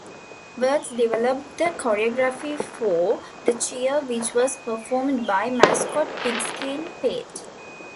Wirtz developed the choreography for the cheer which was performed by mascot Pigskin Pete.